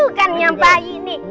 itu kan nyampai ini